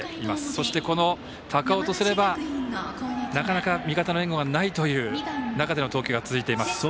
そして、高尾とすればなかなか味方の援護はないという中での投球が続いています。